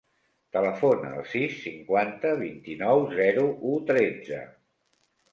Telefona al sis, cinquanta, vint-i-nou, zero, u, tretze.